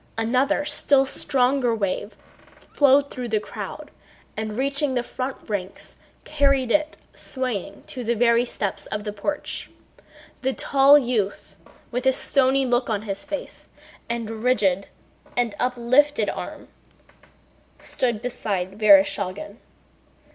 Another still stronger wave flowed through the crowd and reaching the front ranks carried it swaying to the very steps of the porch. The tall youth, with a stony look on his face, and rigid and uplifted arm, stood beside Vereshchágin.